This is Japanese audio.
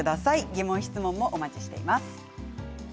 疑問、質問もお待ちしています。